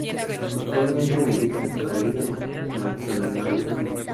Actualmente milita en la Liga Națională.